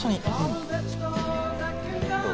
どう？